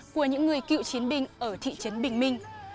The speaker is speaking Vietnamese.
của những người cựu chiến binh ở thị trấn bình minh